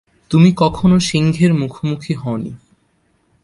তুমি কখনো সিংহের মুখোমুখি হওনি।